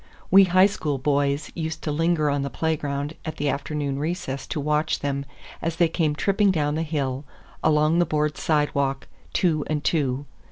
We High School boys used to linger on the playground at the afternoon recess to watch them as they came tripping down the hill along the board sidewalk, two and two.